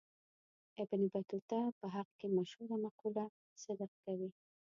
ابن بطوطه په حق کې مشهوره مقوله صدق کوي.